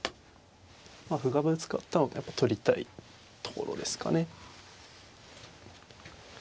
歩がぶつかったのでやっぱ取りたいところですかね。